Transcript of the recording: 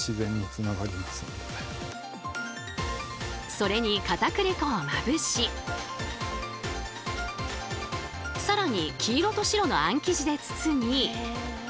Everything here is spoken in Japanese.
それにかたくり粉をまぶし更に黄色と白のあん生地で包み。